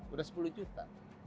udah sepuluh juta